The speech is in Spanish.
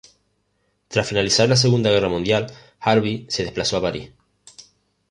Tras finalizar la Segunda Guerra Mundial, Harvey se desplazó a París.